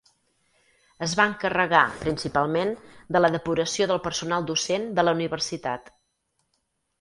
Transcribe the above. Es va encarregar, principalment, de la depuració del personal docent de la universitat.